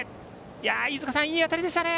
飯塚さん、いい当たりでしたね。